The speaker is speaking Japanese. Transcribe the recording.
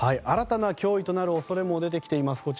新たな脅威となる恐れも出てきています。